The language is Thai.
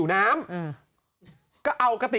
เช็ดแรงไปนี่